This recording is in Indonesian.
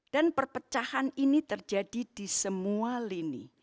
dan perpecahan ini terjadi di semua lini